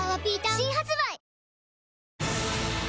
新発売